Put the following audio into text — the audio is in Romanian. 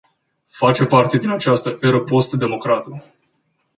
Face parte din această eră post-democrată.